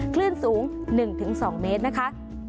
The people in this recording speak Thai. คลื่นสูง๑๒เมตรนะคะ